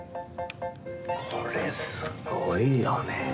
これ、すごいよね。